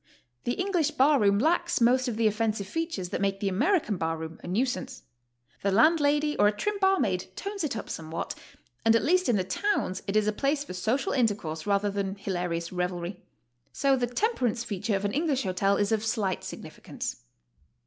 The English bar room lacks most of the offensive features that make the American bar room a nuisance. The landlady or a trim barmaid tones it up somewhat, and at least in the towns it is a place for social intercourse rather than hilarious revelry. So the "temperance" feature of an Englis/h hotel is of slight significance.